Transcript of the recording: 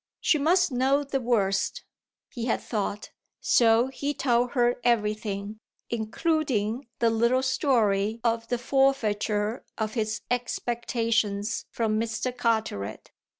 She must know the worst, he had thought: so he told her everything, including the little story of the forfeiture of his "expectations" from Mr. Carteret.